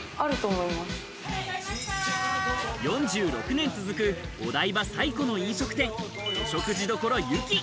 ４６年続くお台場最古の飲食店、お食事処ゆき。